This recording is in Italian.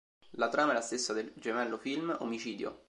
La trama è la stessa del gemello film Omicidio!.